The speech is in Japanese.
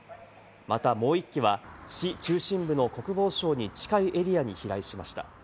またもう１機は市中心部の国防省に近いエリアに飛来しました。